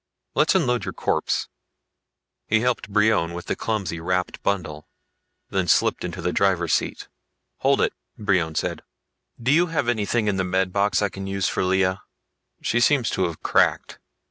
Let's unload your corpse." He helped Brion with the clumsy, wrapped bundle, then slipped into the driver's seat. "Hold it," Brion said. "Do you have anything in the med box I can use for Lea? She seems to have cracked.